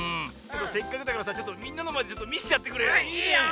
せっかくだからさみんなのまえでちょっとみせてやってくれよ。いいよ。